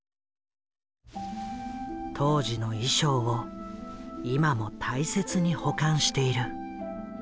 当時の衣装を今も大切に保管している。